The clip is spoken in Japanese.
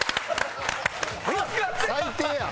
最低やん。